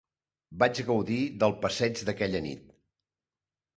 Vaig gaudir del passeig d'aquella nit.